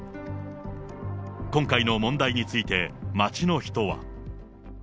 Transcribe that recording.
今回の問題について、街の人は。